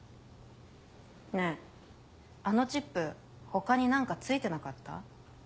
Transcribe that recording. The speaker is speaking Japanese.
ねぇあのチップ他に何か付いてなかった？